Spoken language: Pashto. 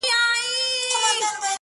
بیرته چي یې راوړې، هغه بل وي زما نه .